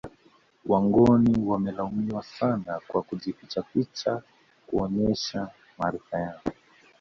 Wangoni wamelaumiwa sana kwa kujifichaficha kuonesha maarifa yao